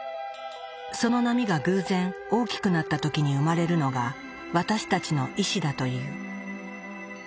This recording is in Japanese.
その波が偶然大きくなった時に生まれるのが私たちの意志だという。